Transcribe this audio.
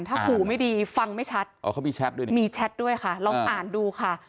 ถ้าขู่ไม่ดีฟังไม่ชัดอ๋อเขามีแชทด้วยนะมีแชทด้วยค่ะลองอ่านดูค่ะ